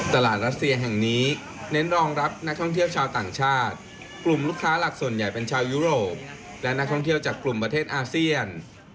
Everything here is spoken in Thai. รัสเซียแห่งนี้เน้นรองรับนักท่องเที่ยวชาวต่างชาติกลุ่มลูกค้าหลักส่วนใหญ่เป็นชาวยุโรปและนักท่องเที่ยวจากกลุ่มประเทศอาเซียน